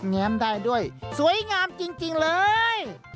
แ้มได้ด้วยสวยงามจริงเลย